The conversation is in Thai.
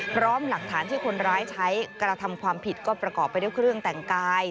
พร้อมหลักฐานที่คนร้ายใช้กระทำความผิดก็ประกอบไปด้วยเครื่องแต่งกาย